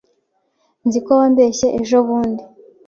Nzi ko wambeshye ejobundi.